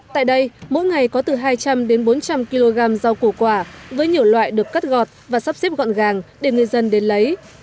tại đây mỗi ngày có từ hai trăm linh đến bốn trăm linh kg rau củ quả với nhiều loại được cắt gọt và sắp xếp gọn gàng để người dân đến lấy